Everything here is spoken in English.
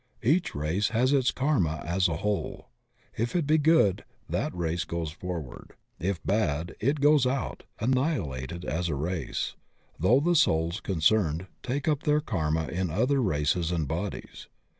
Each race has its karma as a whole. If it be good that race goes forward. If bad it goes out — annihilated as a race — ^though the souls concerned take up their karma in other races and bodies.